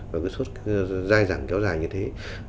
và cứ sốt dai dẳng kéo dài như thế